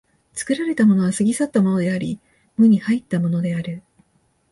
作られたものは過ぎ去ったものであり、無に入ったものである。